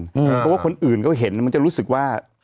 เพราะว่าคนอื่นเขาเห็นมันจะรู้สึกว่า